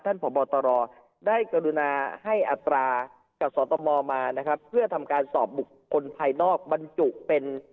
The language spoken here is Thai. พบตรได้กรุณาให้อัตรากับสตมมานะครับเพื่อทำการสอบบุคคลภายนอกบรรจุเป็น